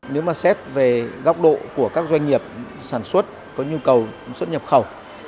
nếu mà xét về góc độ của các doanh nghiệp sản xuất có nhu cầu xuất nhập khẩu